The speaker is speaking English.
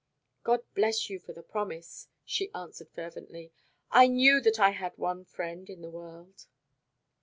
"God bless you for the promise," she answered fervently. "I knew that I had one friend in the world."